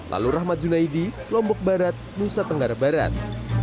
lalu rahmat junaidi lombok barat nusa tenggara barat